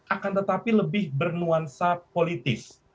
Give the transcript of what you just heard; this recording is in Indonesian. akan tetapi lebih bernuansa politis